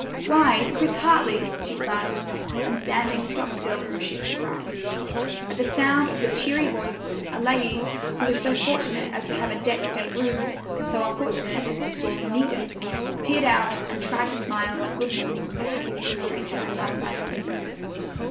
"Why, Chris Hartley!" she cried, and standing stock still from sheer surprise. At the sound of the cheery voice, a lady, who was so fortunate as to have a deck state room, and so unfortunate as to sorely need it, peered out and tried to smile a good morning to the happy little stranger outside her window.